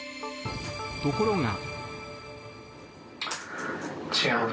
ところが。